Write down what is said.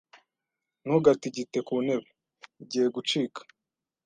Ntugatigite ku ntebe. Igiye gucika.